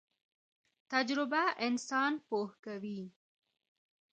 تجربه انسان پوه کوي